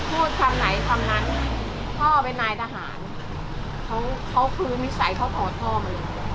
พูดคำไหนคำนั้นพ่อเป็นนายทหารเขาเขาคือนิสัยเขาผอท่อมาเลย